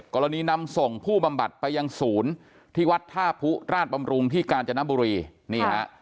นำส่งผู้บำบัดไปยังศูนย์ที่วัดท่าผู้ราชบำรุงที่กาญจนบุรีนี่ฮะ